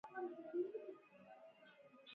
ورپسې به رابرټ بېکان و چې مهم کس و